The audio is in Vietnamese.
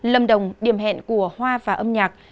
lâm đồng điểm hẹn của hoa và âm nhạc